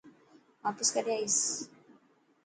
واپس ڪڏهن آئيس.